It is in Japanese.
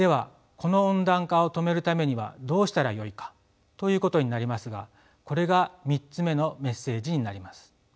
この温暖化を止めるためにはどうしたらよいかということになりますがこれが３つ目のメッセージになります。